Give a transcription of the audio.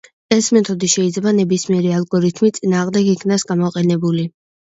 ეს მეთოდი შეიძლება ნებისმიერი ალგორითმის წინააღმდეგ იქნას გამოყენებული.